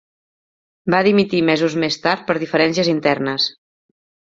Va dimitir mesos més tard per diferències internes.